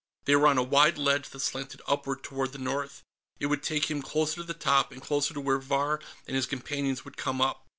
They were on a wide ledge that slanted upward toward the north. It would take him closer to the top, and closer to where Vahr and his companions would come up.